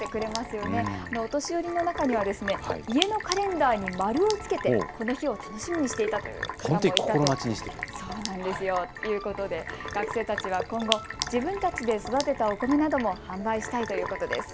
お年寄りの中には家のカレンダーに丸をつけてこの日を楽しみにしていたという方もいるということで学生たちは今後、自分たちで育てたお米なども販売したいということです。